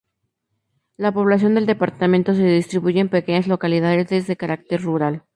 La población del departamento se distribuye en pequeñas localidades de carácter rural.